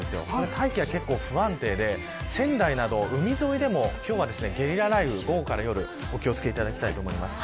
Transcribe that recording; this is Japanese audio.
大気が不安定で、仙台など海沿いでも、今日はゲリラ雷雨午後から夜お気を付けていただきたいと思います。